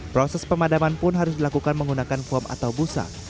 proses pemadaman pun harus dilakukan menggunakan foam atau busa